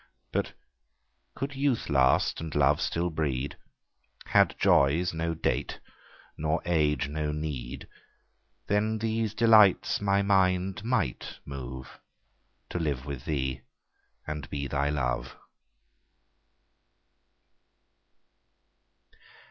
But could youth last and love still breed, Had joys no date nor age no need, Then these delights my mind might move To live with thee and be thy love.